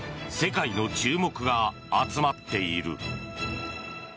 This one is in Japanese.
世界の注目が集まっている。